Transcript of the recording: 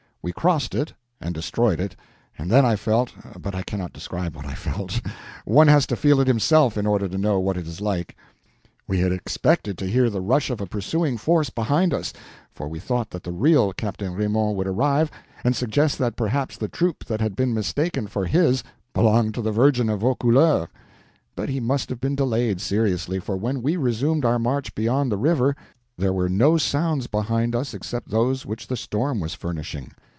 We crossed it and destroyed it, and then I felt—but I cannot describe what I felt. One has to feel it himself in order to know what it is like. We had expected to hear the rush of a pursuing force behind us, for we thought that the real Captain Raymond would arrive and suggest that perhaps the troop that had been mistaken for his belonged to the Virgin of Vaucouleurs; but he must have been delayed seriously, for when we resumed our march beyond the river there were no sounds behind us except those which the storm was furnishing.